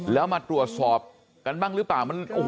แล้วมาตรวจสอบกันบ้างหรือเปล่า